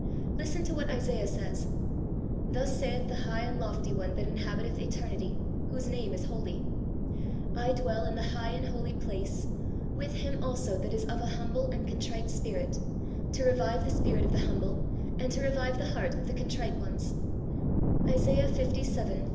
Listen to what Isaiah says, 'Thus saith the high and lofty One that inhahiteth eternity, whose name is Holy ; I dwell in the high and holy place, with him also that is of a humhle and contrite spirit, to revive the spirit of the humhle, and to revive the heart of the contrite ones' (Isaiah Ivii.